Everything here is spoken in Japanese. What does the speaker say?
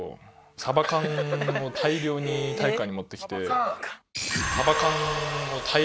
サバ缶を大量に体育館に持ってきて。